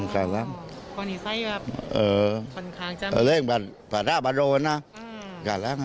ก็ดูจะหนักเล่นแม่ลุง